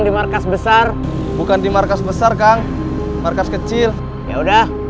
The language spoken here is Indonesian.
di markas besar bukan di markas besar kang markas kecil ya udah